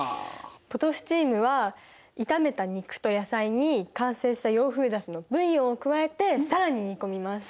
ポトフチームは炒めた肉と野菜に完成した洋風だしのブイヨンを加えて更に煮込みます。